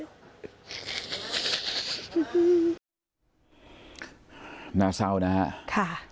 น่าเศร้านะฮะคือนอกจากเรื่องความสกเศร้าเสียใจ